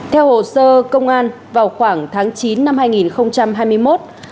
theo hồ sơ công an vào khoảng tháng chín năm hai nghìn hai mươi một